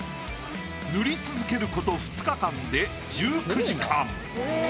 塗り続けること２日間で１９時間。